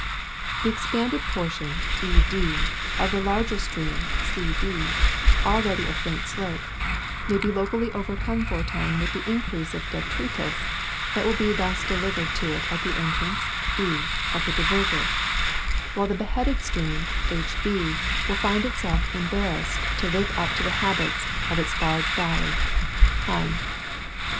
The expanded portion, ED, of the larger stream, CD, already of faint slope, may be locally, overcome for a time with the increase of detritus that will be thus delivered to it at the entrance, E, of the divertor ; while the beheaded stream, HB, will find itself embarrassed to live up to the habits of its large valley [Heim].